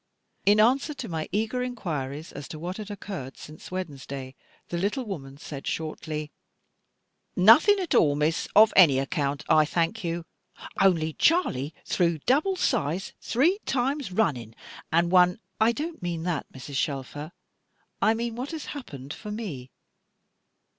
In answer to my eager inquiries as to what had occurred since Wednesday, the little woman said shortly: "Nothing at all, Miss, of any account, I thank you. Only Charley threw double size, three times running, and won " "I don't mean that, Mrs. Shelfer; I mean, what has happened for me?"